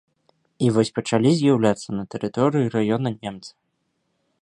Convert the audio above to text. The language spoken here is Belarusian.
І вось пачалі з'яўляцца на тэрыторыі раёна немцы.